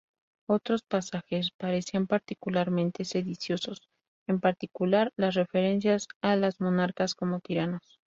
Otros pasajes parecían particularmente sediciosos: en particular, las referencias a las monarcas como "tiranos".